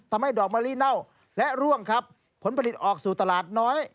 ทำให้ดอกมะลิเน่าและร่วงครับผลผลิตออกสู่ตลาดน้อย